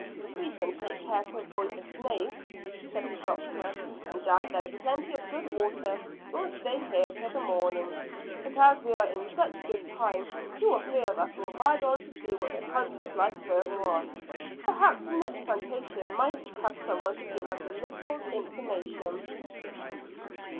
"We can take care to avoid the snakes," said the doctor, "and as there is plenty of good water we'll stay here till the morning; but as we are in such good time two or three of us will ride on to see what the country's like further on. Perhaps the next plantation may have some one to give us a little information."